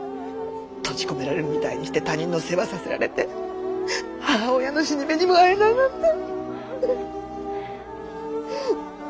閉じ込められるみたいにして他人の世話させられて母親の死に目にもあえないなんて。